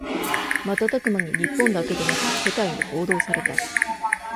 瞬く間に日本だけでなく世界に報道された